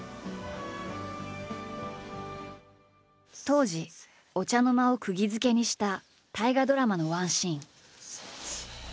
当時お茶の間をくぎづけにした大河ドラマのワンシーン。